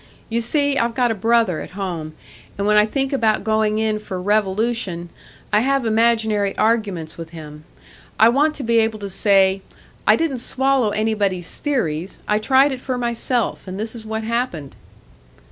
You see, I've got a brother at home, and when I think about going in for revolution, I have imaginary arguments with him. I want to be able to say 'I didn't swallow anybody's theories; I tried it for myself, and this is what happened.'"